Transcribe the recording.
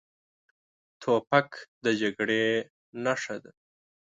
توپک د جګړې نښه ده.